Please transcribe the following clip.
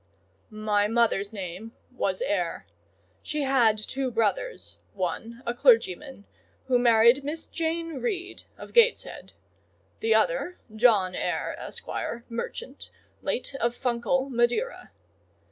"My mother's name was Eyre; she had two brothers; one a clergyman, who married Miss Jane Reed, of Gateshead; the other, John Eyre, Esq., merchant, late of Funchal, Madeira.